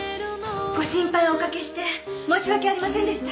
ご心配おかけして申し訳ありませんでした。